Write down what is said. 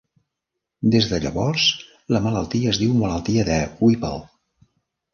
Des de llavors, la malaltia es diu malaltia de Whipple.